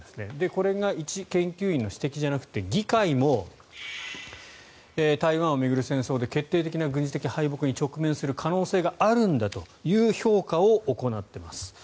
これが一研究員の指摘じゃなくて議会も台湾を巡る戦争で決定的な軍事的敗北に直面する可能性があるんだという評価を行ってます。